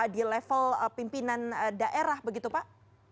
di level pimpinan daerah begitu pak